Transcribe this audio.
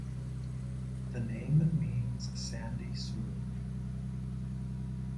The name means sandy soil.